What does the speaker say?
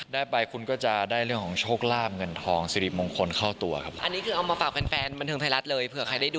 ได้ไปคุณก็จะได้เรื่องของโชคลาบเงินทองสิริมงคลเข้าตัวครับ